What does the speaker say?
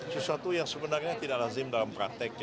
sesuatu yang sebenarnya tidak lazim dalam praktek